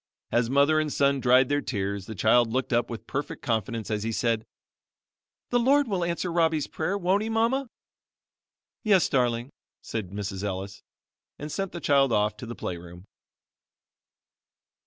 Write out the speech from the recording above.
As mother and son dried their tears, the child looked up with perfect confidence as he said, "The Lord will answer Robbie's prayer, won't he. Mama?" "Yes darling," said Mrs. Ellis; and sent the child off to the play room.